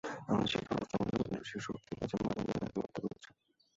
আমাদের শিক্ষা-পদ্ধতি আমাদের ঔপনিবেশিক শক্তির কাছে মাথা নুইয়ে রাখতে বাধ্য করছে।